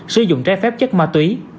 sử dụng trái phép chất ma túy